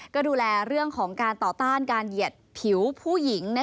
ก็ดูแลเรื่องของการต่อต้านการเหยียดผิวผู้หญิง